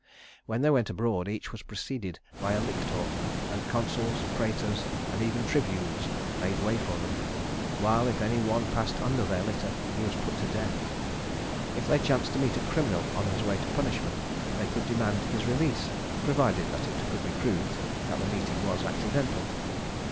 When they went abroad, each was preceded by a lictor; and consuls, prætors, and even tribunes made way for them, while if any one passed under their litter, he was put to death. If they chanced to meet a criminal on his way to punishment, they could demand his release, provided that it could be proved that the meeting was accidental.